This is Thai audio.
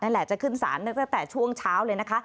มันแหล่ะจะขึ้นสารตั้งแต่ช่วงเช้าเลยนะคะ